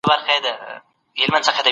زه هیڅکله په چا باندې تکیه نه کوم.